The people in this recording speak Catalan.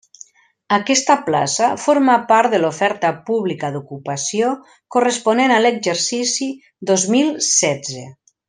Aquesta plaça forma part de l'Oferta pública d'ocupació corresponent a l'exercici dos mil setze.